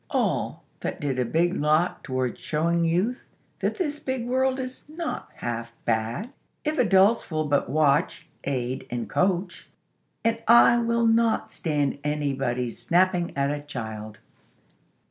All that did a big lot toward showing Youth that this big world is 'not half bad,' if adults will but watch, aid, and coach. And I will not stand anybody's snapping at a child!